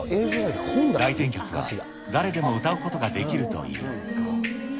来店客は誰でも歌うことができるという。